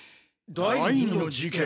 第２の事件？